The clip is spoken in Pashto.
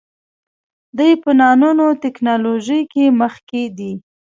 دوی په نانو ټیکنالوژۍ کې مخکې دي.